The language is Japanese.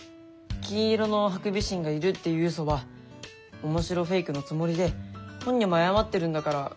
金色のハクビシンがいるっていうウソは面白フェイクのつもりで本人も謝ってるんだからいいんじゃないの？